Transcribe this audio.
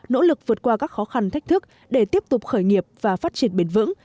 nỗ lực vượt qua các khó khăn thách thức để tiếp tục khởi nghiệp và phát triển bền vững